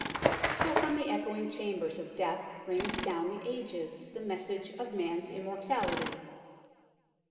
So from the echoing chambers of death rings down the ages the message of man's immortality.